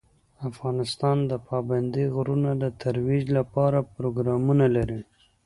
افغانستان د پابندی غرونه د ترویج لپاره پروګرامونه لري.